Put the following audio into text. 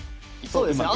そうですね。